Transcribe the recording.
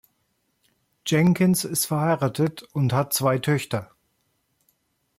Jenkins ist verheiratet und hat zwei Töchter.